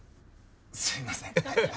すいません。